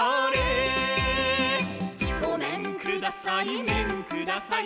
「ごめんください、めんください。」